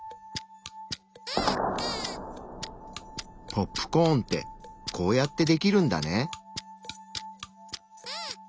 ポップコーンってこうやってできるんだね。